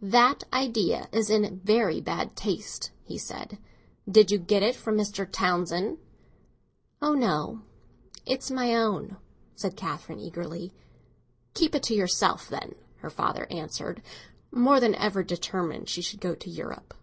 "That idea is in very bad taste," he said. "Did you get it from Mr. Townsend?" "Oh no; it's my own!" said Catherine eagerly. "Keep it to yourself, then," her father answered, more than ever determined she should go to Europe.